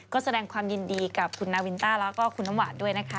ก็แสดงความยินดีกับคุณนาวินต้าแล้วก็คุณน้ำหวานด้วยนะคะ